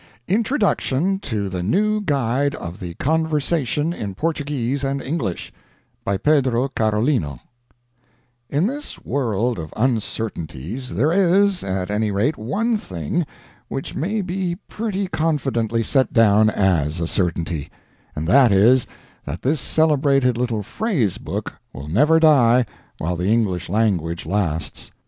INTRODUCTION TO "THE NEW GUIDE OF THE CONVERSATION IN PORTUGUESE AND ENGLISH" by Pedro Carolino In this world of uncertainties, there is, at any rate, one thing which may be pretty confidently set down as a certainty: and that is, that this celebrated little phrase book will never die while the English language lasts.